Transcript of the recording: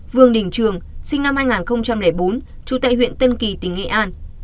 vương đình trường sinh năm hai nghìn bốn trú tại huyện tân kỳ tỉnh nghệ an